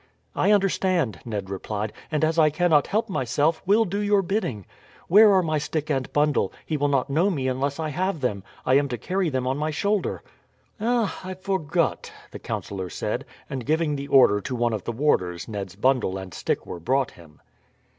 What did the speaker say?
"I understand," Ned replied; "and as I cannot help myself, will do your bidding. Where are my stick and bundle? He will not know me unless I have them. I am to carry them on my shoulder." "Ah! I forgot," the councillor said, and giving the order to one of the warders Ned's bundle and stick were brought him.